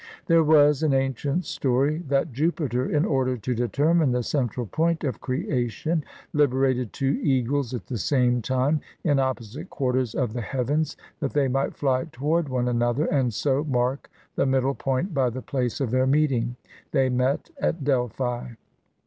There was an ancient story that Jupiter, in order to determine the central point of creation, Hberated two eagles at the same time, in oppo site quarters of the heavens, that they might fly toward one another, and so mark the middle point by the place of their meeting. They met at Delphi.